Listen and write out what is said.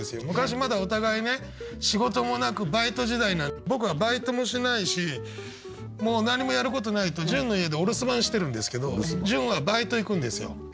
昔まだお互いね仕事もなくバイト時代僕はバイトもしないしもう何もやることないと潤の家でお留守番してるんですけど潤はバイト行くんですよ。